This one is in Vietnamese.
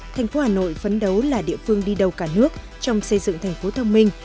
thành phố hà nội phấn đấu là địa phương đi đầu cả nước trong xây dựng thành phố thông minh